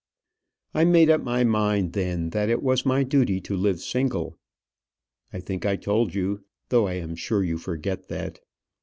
I made up my mind then that it was my duty to live single. I think I told you, though I am sure you forget that.